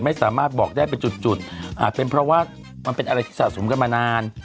ไม่สามารถบอกได้เป็นจุดอาจเป็นเพราะว่ามันเป็นอะไรที่สะสมกันมานาน